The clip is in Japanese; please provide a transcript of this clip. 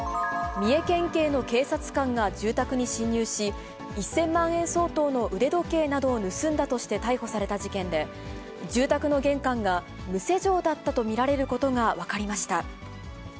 三重県警の警察官が住宅に侵入し、１０００万円相当の腕時計などを盗んだとして逮捕された事件で、住宅の玄関が無施錠だったと見られることが分かりました。